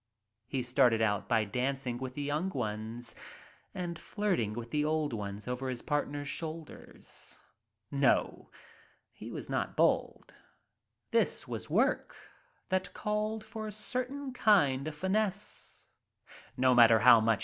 He started out by dancing with the young ones and flirting with the old ones over his partners shoulders. No, he was not bold. This was work that called for a certain kind of finesse. No matter how much ■ ft .■ 60